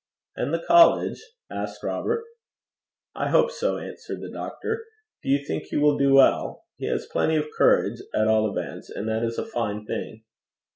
'An' the college?' asked Robert. 'I hope so,' answered the doctor. 'Do you think he will do well? He has plenty of courage, at all events, and that is a fine thing.'